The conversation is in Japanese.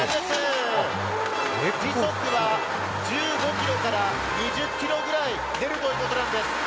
時速は１５キロから２０キロぐらい出るということなんです。